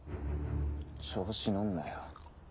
調子乗んなよ。